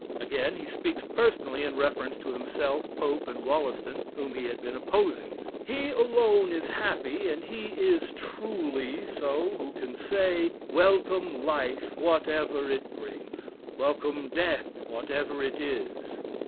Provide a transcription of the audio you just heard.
Again, he speaks personally in reference to himself, Pope, and Wollaston, whom he had been opposing: "He alone is happy, and he 'is truly so, who can say, Welcome life whatever it brings! Welcome death whatever it is!